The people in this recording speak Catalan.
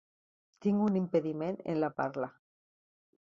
Tinc un impediment en la parla.